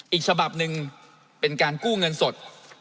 อีกฉบับ๑เป็นการกู้เงินสด